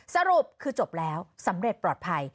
สรุปคือจบแล้วสำเร็จปลอดภัย